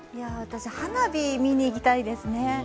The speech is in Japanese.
花火見に行きたいですね。